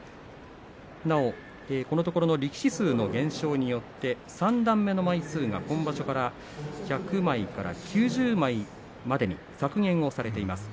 なお、このところの力士数の減少によって三段目の枚数が今場所から１００枚から９０枚までに削減されています。